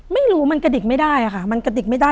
ไม่รู้มันกระดิกไม่ได้ค่ะ